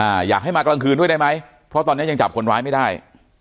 อยากให้มากลางคืนด้วยได้ไหมเพราะตอนเนี้ยยังจับคนร้ายไม่ได้